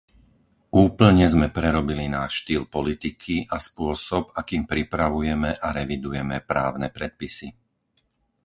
Úplne sme prerobili náš štýl politiky a spôsob, akým pripravujeme a revidujeme právne predpisy.